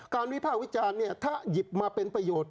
การวิภาควิจารณ์ถ้าหยิบมาเป็นประโยชน์